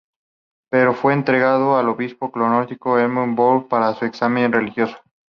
Pero fue entregado al obispo católico Edmund Bonner para un examen religioso.